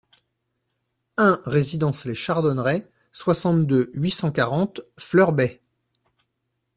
un résidence Les Chardonnerets, soixante-deux, huit cent quarante, Fleurbaix